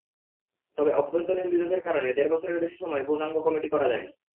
তবে অভ্যন্তরীণ বিরোধের কারণে দেড় বছরের বেশি সময়ে পূর্ণাঙ্গ কমিটি করা যায়নি।